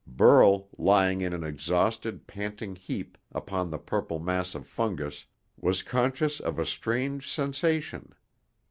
Burl, lying in an exhausted, panting heap upon the purple mass of fungus, was conscious of a strange sensation.